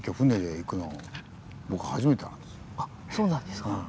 そうなんですか。